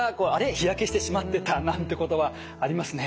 日焼けしてしまってたなんてことはありますね。